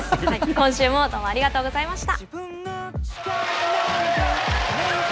今週もどうもありがとうございました。